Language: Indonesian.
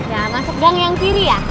jangan masuk gang yang kiri ya